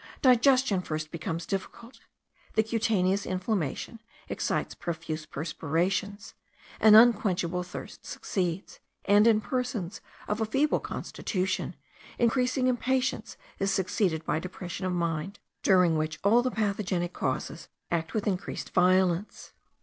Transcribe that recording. Digestion first becomes difficult, the cutaneous inflammation excites profuse perspirations, an unquenchable thirst succeeds, and, in persons of a feeble constitution, increasing impatience is succeeded by depression of mind, during which all the pathogenic causes act with increased violence.